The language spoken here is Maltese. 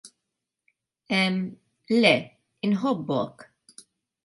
" Emm, le, inħobbok. "